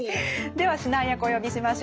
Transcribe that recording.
では指南役をお呼びしましょう。